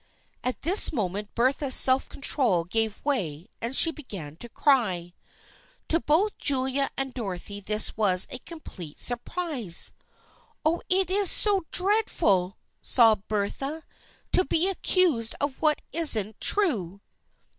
At this moment Bertha's self control gave way and she began to cry. To both Julia and Dorothy this was a complete surprise. " Oh, it is so dreadful," sobbed Bertha, " to be accused of what isn't true